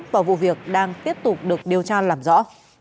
và vụ việc đang tiếp tục được điều tra làm rõ